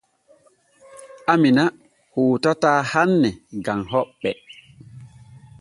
Amiina hootataa hanne gam hoɓɓe.